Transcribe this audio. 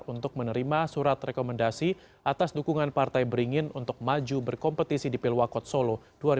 untuk menerima surat rekomendasi atas dukungan partai beringin untuk maju berkompetisi di pilwakot solo dua ribu dua puluh